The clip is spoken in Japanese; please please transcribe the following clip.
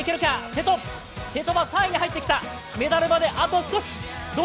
瀬戸が３位まで入ってきたメダルまであと少し！